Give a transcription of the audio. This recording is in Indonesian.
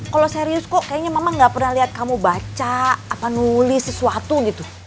kalau serius kok kayaknya mama gak pernah lihat kamu baca apa nulis sesuatu gitu